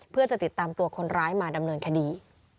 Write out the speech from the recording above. เพื่อจะติดตามตัวคนร้ายมาดำเนินคดี